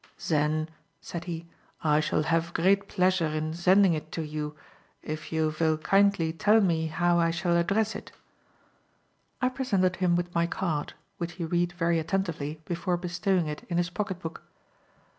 "Zen," said he, "I shall haf great pleasure in zending it to you if you vill kindly tell me how I shall address it." I presented him with my card, which he read very attentively before bestowing it in his pocket book.